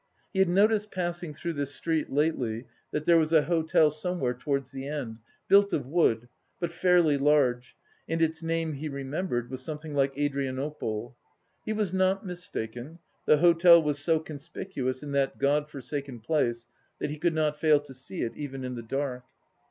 He had noticed passing through this street lately that there was a hotel somewhere towards the end, built of wood, but fairly large, and its name he remembered was something like Adrianople. He was not mistaken: the hotel was so conspicuous in that God forsaken place that he could not fail to see it even in the dark.